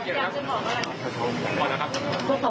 อย่างกับอย่างออกมาก